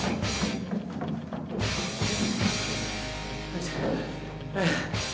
よいしょ。